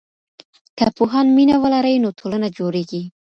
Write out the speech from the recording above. که پوهان مينه ولري، نو ټولنه جوړېږي.